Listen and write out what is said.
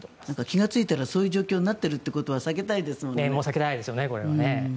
気がついたらそういう状況になっていることは避けたいですね。